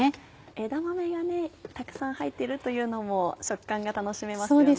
枝豆がたくさん入っているというのも食感が楽しめますよね。